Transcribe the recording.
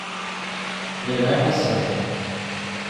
Yelɣi Ḥasan.